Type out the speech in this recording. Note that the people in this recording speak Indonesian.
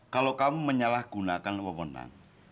kalau kamu menyalahgunakan pemenang